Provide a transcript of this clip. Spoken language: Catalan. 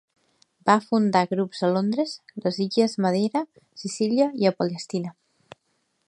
Va fundar grups a Londres, les Illes Madeira, Sicília i a Palestina.